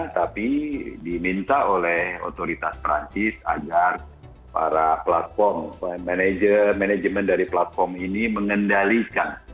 tapi diminta oleh otoritas perancis agar para platform manajemen manajemen dari platform ini mengendalikan